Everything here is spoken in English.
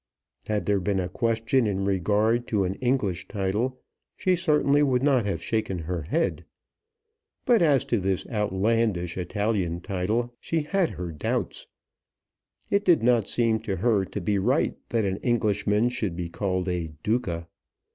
Had there been a question in regard to an English title she certainly would not have shaken her head. But as to this outlandish Italian title, she had her doubts. It did not seem to her to be right that an Englishman should be called a Duca.